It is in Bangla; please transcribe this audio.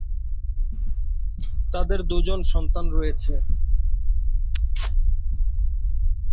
তাদের দুজন সন্তান রয়েছে।